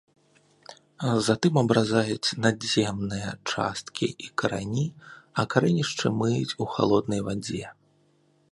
Затым абразаюць надземныя часткі і карані, а карэнішчы мыюць у халоднай вадзе.